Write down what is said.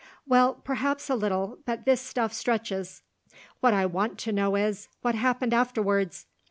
Well, perhaps a little, but this stuff stretches. What I want to know is, what happened afterwards?